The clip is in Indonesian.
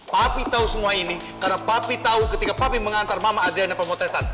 papi tahu semua ini karena papi tahu ketika papi mengantar mama adriana pemotetan